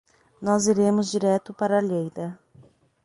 Nós iremos direto para Lleida.